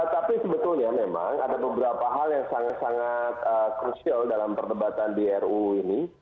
tapi sebetulnya memang ada beberapa hal yang sangat sangat krusial dalam perdebatan di ruu ini